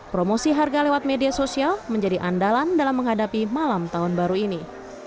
promosi harga lewat media sosial menjadi andalan dalam menghadapi malam tahun baru ini